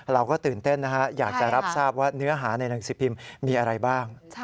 เราก็ตื่นเต้นนะฮะอยากจะรับทราบว่าเนื้อหาในหนังสือพิมพ์มีอะไรบ้าง